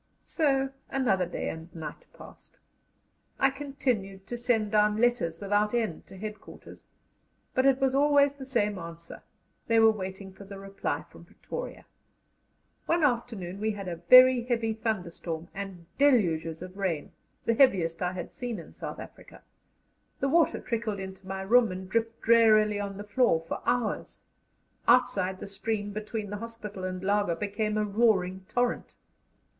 So another day and night passed. I continued to send down letters without end to headquarters; but it was always the same answer: they were waiting for the reply from Pretoria. One afternoon we had a very heavy thunderstorm and deluges of rain, the heaviest I had seen in South Africa; the water trickled into my room, and dripped drearily on the floor for hours; outside, the stream between the hospital and laager became a roaring torrent.